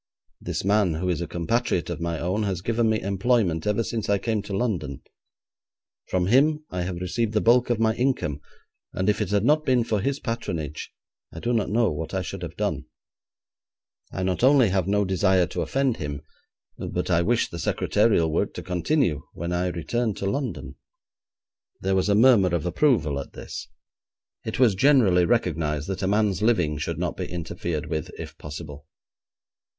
This man, who is a compatriot of my own, has given me employment ever since I came to London. From him I have received the bulk of my income, and if it had not been for his patronage, I do not know what I should have done. I not only have no desire to offend him, but I wish the secretarial work to continue when I return to London.' There was a murmur of approval at this. It was generally recognised that a man's living should not be interfered with, if possible.